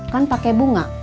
kan pakai bunga